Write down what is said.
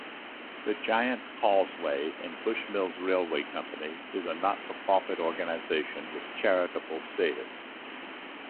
The Giant's Causeway and Bushmills Railway Company is a not-for-profit organisation with charitable status.